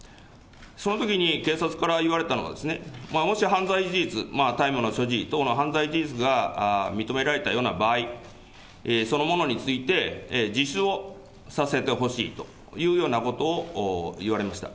そのときに警察から言われたのは、もし犯罪事実、大麻の所持等の犯罪事実が認められたような場合、そのものについてさせてほしいというようなことを言われました。